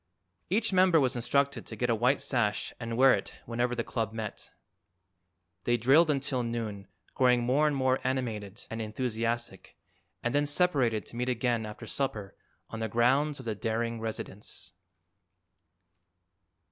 Each member was instructed to get a white sash and wear it whenever the club met. They drilled until noon, growing more and more animated and enthusiastic, and then separated to meet again after supper on the grounds of the Daring residence.